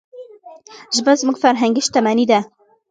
ژبه زموږ فرهنګي شتمني ده.